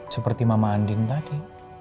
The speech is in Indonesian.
seperti mama andin tadi